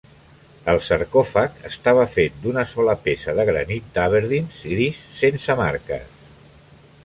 El sarcòfag estava fet d'una sola peça de granit d'Aberdeen gris sense marques.